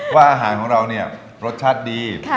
ว่าอาหารของเราเนี่ยรสชาติดี